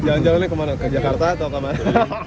jalan jalannya ke mana ke jakarta atau ke mana